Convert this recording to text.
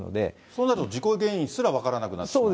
そうなると、事故原因すら分からなくなっちゃう。